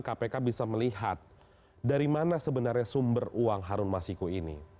kpk bisa melihat dari mana sebenarnya sumber uang harun masiku ini